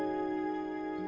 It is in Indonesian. aku akan menjaga dia